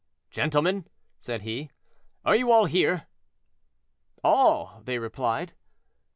"Gentlemen," said he, "are you all here?" "All!" they replied.